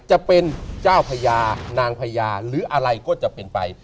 จะเป็นเจ้าพญานางพญาหรืออะไรก็จะเป็นไป